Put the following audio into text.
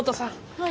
はい。